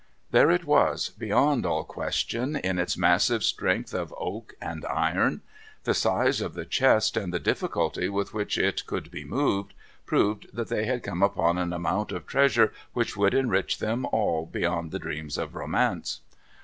There it was, beyond all question, in its massive strength of oak and iron. The size of the chest and the difficulty with which it could be moved, proved that they had come upon an amount of treasure which would enrich them all beyond the dreams of romance.